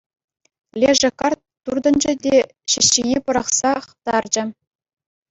Лешӗ карт туртӑнчӗ те ҫӗҫҫине пӑрахсах тарчӗ.